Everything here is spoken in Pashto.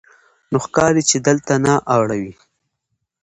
نو ښکاري چې دلته نه اړوې.